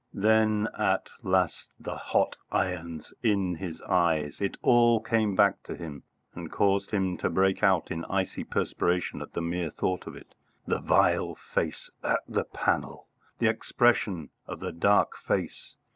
Then at last the hot irons in his eyes.... It all came back to him, and caused him to break out in icy perspiration at the mere thought of it ... the vile face at the panel ... the expression of the dark face....